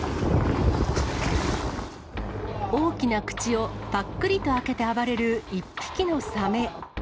大きな口をぱっくりと開けて暴れる１匹のサメ。